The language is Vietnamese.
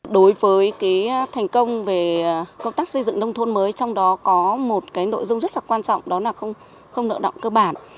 đối với thành công về công tác xây dựng nông thôn mới trong đó có một cái nội dung rất là quan trọng đó là không nợ động cơ bản